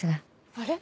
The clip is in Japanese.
あれ？